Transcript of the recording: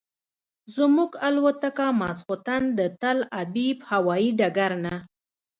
زموږ الوتکه ماسخوتن د تل ابیب هوایي ډګر نه.